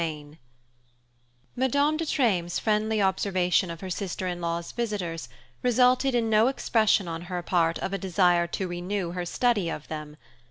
IV Madame de Treymes' friendly observation of her sister in law's visitors resulted in no expression on her part of a desire to renew her study of them.